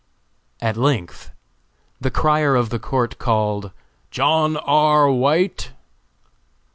At length, the crier of the court called "John R. White."